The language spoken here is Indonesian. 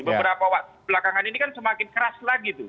beberapa waktu belakangan ini kan semakin keras lagi tuh